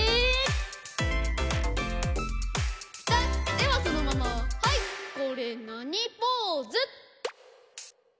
ではそのままはいこれなにポーズ？